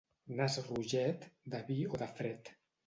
Nas roget, de vi o de fred.